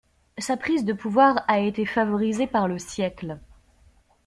Sa prise de pouvoir a été favorisée par le siècle.